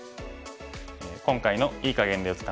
今回の“いい”かげんで打つ感覚